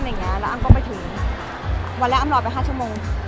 แต่ว่าอะไรที่เหมาะผม